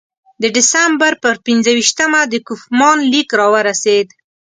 د ډسامبر پر پنځه ویشتمه د کوفمان لیک راورسېد.